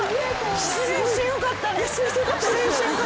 失恋してよかったです。